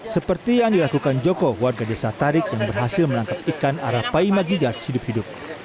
seperti yang dilakukan joko warga desa tarik yang berhasil menangkap ikan arapaima gigas hidup hidup